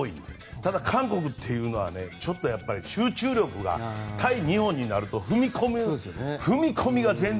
ただ韓国というのはちょっと集中力が対日本になると踏み込みが全然。